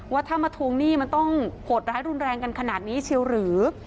ว่าถ้ามาทวงหนี้มันต้องโหดร้ายรุนแรงกันขนาดนี้เชียวหรือ